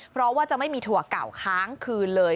เพราะว่าจะไม่มีถั่วเก่าค้างคืนเลย